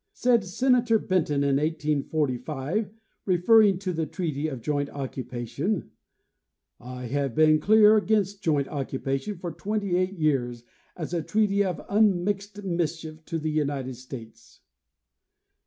Said Senator Benton in 1845, referring to the treaty of joint occupation: "I have been clear against joint occupation for twenty eight years as a treaty of unmixed mischief to the United States."